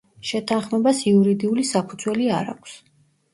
შეთანხმებას იურიდიული საფუძველი არ აქვს.